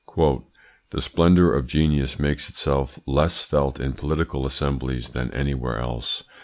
"The splendour of genius makes itself less felt in political assemblies than anywhere else.